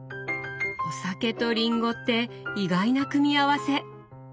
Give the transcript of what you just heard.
お酒とリンゴって意外な組み合わせ！